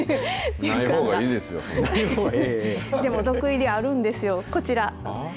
でも毒入りあるんですよこちら。